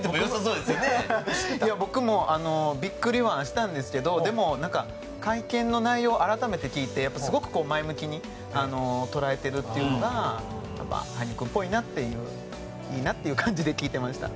僕もビックリはしたんですけどでも、会見の内容を改めて聞いてすごく前向きに捉えてるんが羽生君ぽいなという感じで聞いていました。